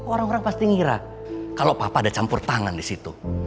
orang orang pasti ngira kalau papa ada campur tangan di situ